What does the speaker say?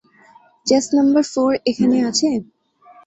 Chest number four এখানে আছে?